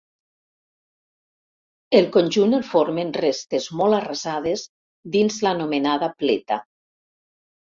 El conjunt el formen restes molt arrasades dins l'anomenada pleta.